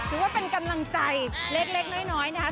ถือว่าเป็นกำลังใจเล็กน้อยนะครับ